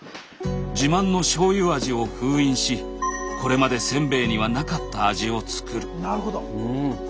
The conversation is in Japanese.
自慢の醤油味を封印しこれまでせんべいにはなかった味を作る。